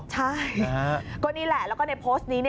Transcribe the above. ใช่ก็นี่แหละแล้วก็ในโพสต์นี้